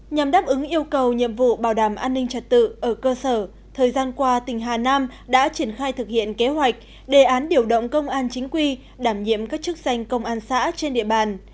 nhằm đáp ứng yêu cầu nhiệm vụ bảo đảm an ninh trật tự ở cơ sở thời gian qua tỉnh hà nam đã triển khai thực hiện kế hoạch đề án điều động công an chính quy đảm nhiệm các chức danh công an xã trên địa bàn